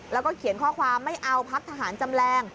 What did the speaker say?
แล้วก็เขียนข้อความไม่เอาพักทหารจำแรง